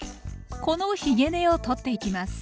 このひげ根を取っていきます。